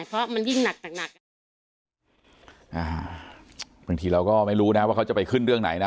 เพราะมันยิ่งหนักหนักอ่ะอ่าบางทีเราก็ไม่รู้นะว่าเขาจะไปขึ้นเรื่องไหนนะ